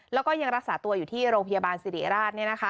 แล้วก็ยังรักษาตัวอยู่ที่โรงพยาบาลสิริราช